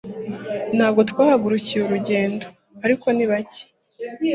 ntabwo twahagurukiye urugendo, ariko ni bake